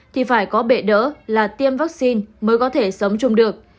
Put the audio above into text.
thì phải có bệ đỡ là tiêm vaccine mới có thể sống chung được